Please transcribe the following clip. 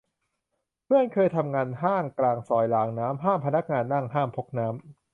เพื่อนเคยทำงานห้างกลางซอยรางน้ำ ห้ามพนักงานนั่ง ห้ามพกน้ำ